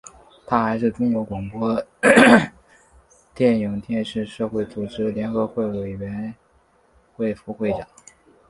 他还是中国广播电影电视社会组织联合会演员委员会副会长。